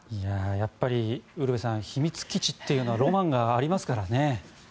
やっぱりウルヴェさん秘密基地というのはロマンがありますからね。